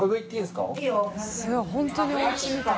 すごい本当におうちみたい。